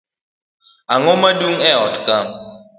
Ang'oma dung' e ot kaa?